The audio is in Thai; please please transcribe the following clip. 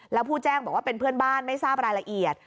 แล้วผู้แจ้งบอกว่าเป็นเพื่อนบ้านไม่ทราบรายละเอียด